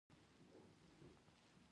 دا سپی ډېر وفادار ده او کور ساتي